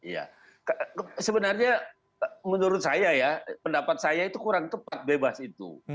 ya sebenarnya menurut saya ya pendapat saya itu kurang tepat bebas itu